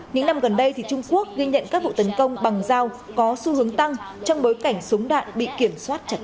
những năm gần đây trung quốc ghi nhận các vụ tấn công bằng dao có xu hướng tăng trong bối cảnh súng đạn bị kiểm soát chặt chẽ